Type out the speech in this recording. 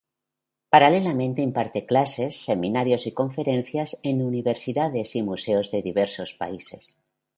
Paralelamente imparte clases, seminarios y conferencias en universidades y museos de diversos países.